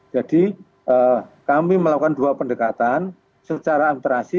jadi kami melakukan dua pendekatan secara amperasi